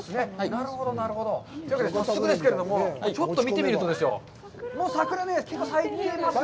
なるほど、なるほど。というわけで、早速ですけれども、ちょっと見てみるとですよ、桜、結構咲いていますね。